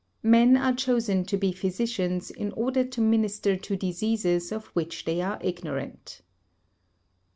Men are chosen to be physicians in order to minister to diseases of which they are ignorant.